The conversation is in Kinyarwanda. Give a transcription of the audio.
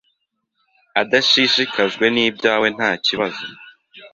adashishikajwe n’ibyawe ntakibazo